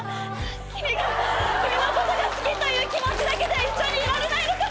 君が君のことが好きという気持ちだけじゃ一緒にいられないのかな？